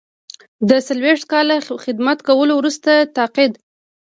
د څلویښت کاله خدمت کولو وروسته تقاعد.